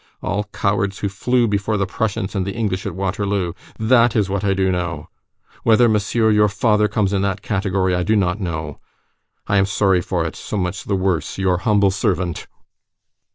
All cowards who fled before the Prussians and the English at Waterloo! That is what I do know! Whether Monsieur your father comes in that category, I do not know! I am sorry for it, so much the worse, your humble servant!"